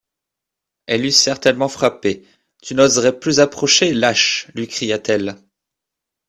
Elle eût certainement frappé. — Tu n’oserais plus approcher, lâche! lui cria-t-elle.